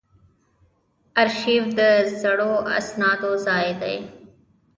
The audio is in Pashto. ارشیف د زړو اسنادو ځای دی